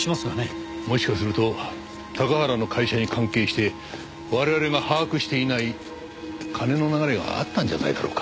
もしかすると高原の会社に関係して我々が把握していない金の流れがあったんじゃないだろうか。